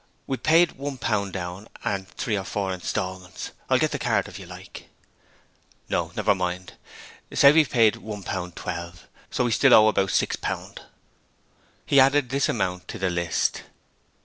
We paid one pound down and three or four instalments. I'll get the card if you like.' 'No; never mind. Say we've paid one pound twelve; so we still owe about six pound.' He added this amount to the list.